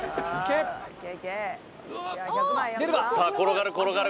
さあ転がる転がる。